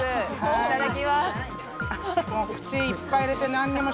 いただきます。